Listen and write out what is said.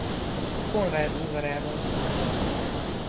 Konrád udvarában.